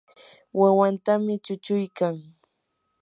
wawantami chuchuykan.